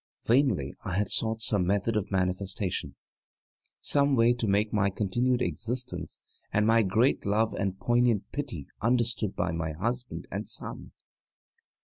Vainly I had sought some method of manifestation, some way to make my continued existence and my great love and poignant pity understood by my husband and son.